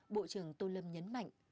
bộ trưởng tô lâm nhấn mạnh